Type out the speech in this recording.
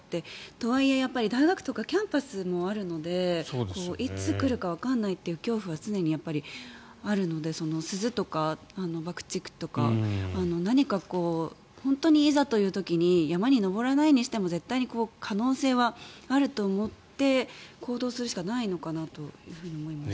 とはいえ、大学とかキャンパスもあるのでいつ来るかわからないという恐怖は常にあるので、鈴とか爆竹とか何かいざという時に山に登らないにしても絶対に可能性はあると思って行動するしかないのかなと思います。